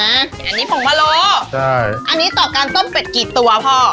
อันนี้ผงพะโลอันนี้ต่อการต้มเป็ดกี่ตัวพ่อ